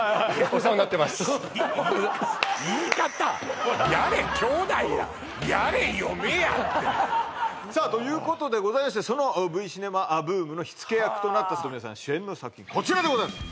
お世話になってますさあということでございましてそのＶシネマブームの火付け役となった本宮さん主演の作品こちらでございます